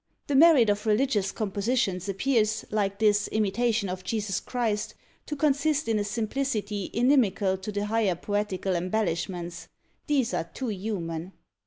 The merit of religious compositions appears, like this "Imitation of Jesus Christ," to consist in a simplicity inimical to the higher poetical embellishments; these are too human!